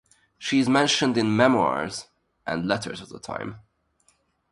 She is mentioned in memoirs and letters of the time.